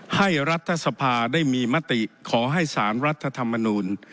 รัฐสภาได้มีมติขอให้สารรัฐธรรมนูล